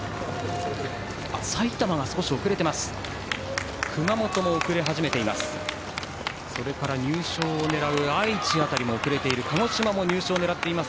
埼玉が少し遅れています。